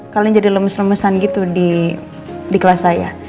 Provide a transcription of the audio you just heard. kalian jadi lemes lemesan gitu di kelas saya